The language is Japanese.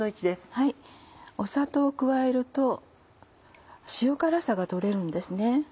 砂糖加えると塩辛さが取れるんですね。